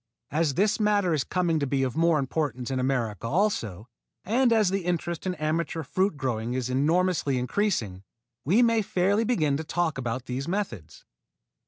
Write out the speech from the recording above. As this matter is coming to be of more importance in America also, and as the interest in amateur fruit growing is enormously increasing, we may fairly begin to talk about these methods.